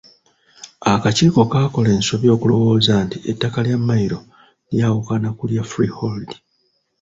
Akakiiko kaakola ensobi okulowooza nti ettaka lya Mmayiro lyawukana ku lya freehold.